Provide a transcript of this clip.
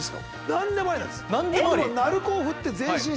何でもありなんです。